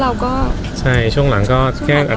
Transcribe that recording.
ภาษาสนิทยาลัยสุดท้าย